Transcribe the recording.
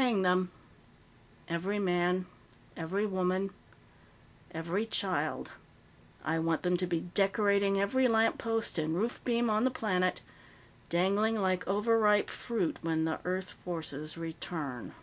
"Hang them. Every man, every woman, every child. I want them to be decorating every lamppost and roof beam on the planet, dangling like overripe fruit when the Earth forces return."